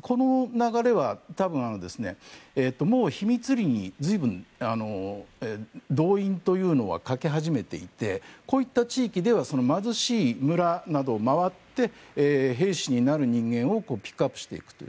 この流れは多分、もう秘密裏に随分、動員というのはかけ始めていてこういった地域では貧しい村などを回って兵士になる人間をピックアップしていくと。